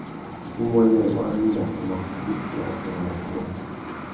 Umuênê Waringa a mà kutu djï atsôra matuwa.